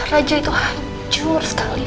raja itu hancur sekali